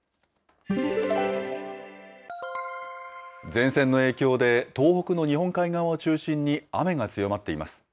前線の影響で、東北の日本海側を中心に雨が強まっています。